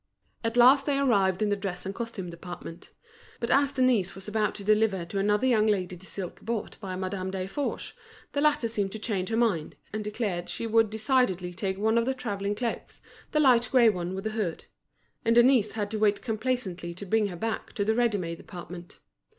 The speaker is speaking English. At last they arrived in the dress and costume department. But as Denise was about to deliver to another young lady the silk bought by Madame Desforges, the latter seemed to change her mind, and declared that she would decidedly take one of the travelling cloaks, the light grey one with the hood; and Denise had to wait complacently to bring her back to the ready made department.